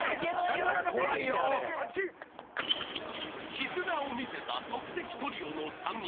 ［絆を見せた即席トリオの３人］